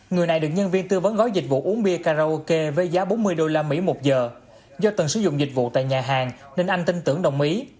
người này được nhân viên tư vấn gói dịch vụ uống bia karaoke với giá bốn mươi usd một giờ do từng sử dụng dịch vụ tại nhà hàng nên anh tin tưởng đồng ý